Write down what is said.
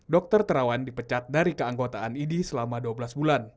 dokter terawan dipecat dari keanggotaan idi selama dua belas bulan